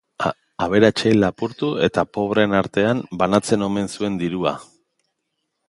Aberatsei lapurtu eta pobreen artean banatzen omen zuen dirua.